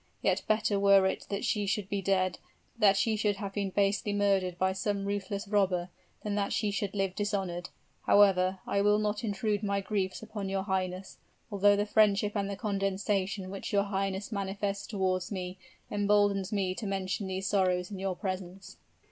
Yet better were it that she should be dead that she should have been basely murdered by some ruthless robber, than that she should live dishonored. However, I will not intrude my griefs upon your highness, although the friendship and the condescension which your highness manifests toward me, emboldens me to mention these sorrows in your presence."